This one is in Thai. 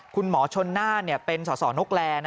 คุณหมอชนน่านเป็นสสนกแล